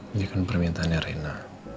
ini kan permintaannya rena